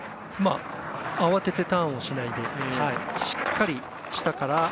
慌ててターンをしないでしっかり下から。